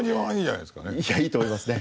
いいと思いますね。